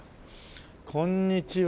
こんにちは。